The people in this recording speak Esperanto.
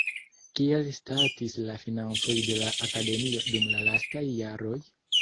Kiel statis la financoj de la Akademio dum la lastaj jaroj?